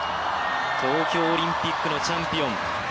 東京オリンピックのチャンピオン。